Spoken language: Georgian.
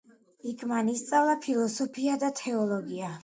იქ მან ისწავლა ფილოსოფია და თეოლოგია.